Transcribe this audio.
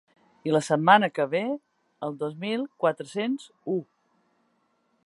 I la setmana que ve, el dos mil quatre-cents u.